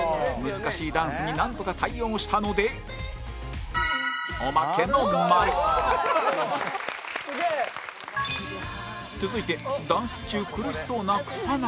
難しいダンスになんとか対応したのでおまけの○すげえ！続いてダンス中苦しそうな草薙